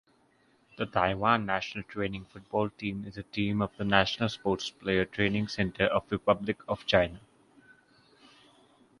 The Taiwan National Training Football Team is a team of the National Sports Player Training Center of Republic of China.